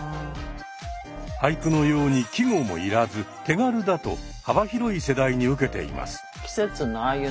俳句のように季語も要らず手軽だと幅広い世代にウケています。